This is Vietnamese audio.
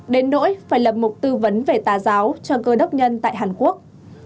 đến nỗi phải lập mục tư vấn về tà giáo cho cơ đốc nhân tại hàn quốc